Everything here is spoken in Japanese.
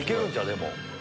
でも。